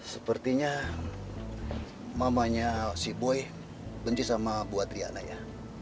sepertinya mamanya si boy benci sama bu adriana ya